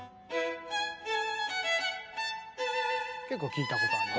結構聞いたことある。